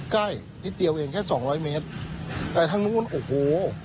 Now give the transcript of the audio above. ใกล้นิดเดียวเองแค่สองร้อยเมตรแต่ทางนู้นโอ้โห